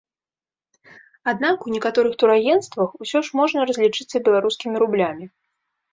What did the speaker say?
Аднак у некаторых турагенцтвах усё ж можна разлічыцца беларускімі рублямі.